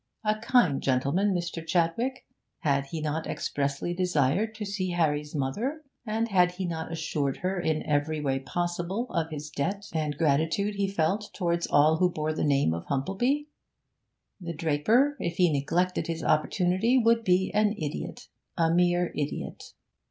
A kind gentleman Mr. Chadwick! Had he not expressly desired to see Harry's mother, and had he not assured her in every way possible of his debt and gratitude he felt towards all who bore the name of Humplebee? The draper, if he neglected his opportunity, would be an idiot a mere idiot.